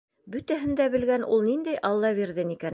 Бөтәһен дә белгән ул ниндәй Аллабирҙин икән?..